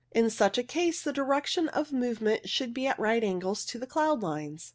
In such a case the direction of movement should be at right angles to the cloud lines.